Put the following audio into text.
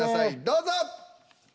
どうぞ！